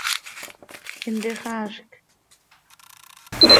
¿Intixaazc?